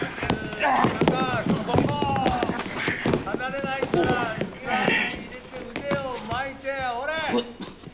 離れないから顔面入れて腕を巻いて折れ！